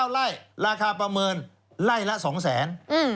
๖๙ไร่ราคาประเมินไร่ละ๒๐๐๐๐๐บาท